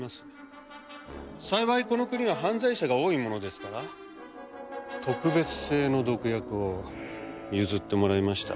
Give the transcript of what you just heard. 幸いこの国は犯罪者が多いものですから特別製の毒薬を譲ってもらいました。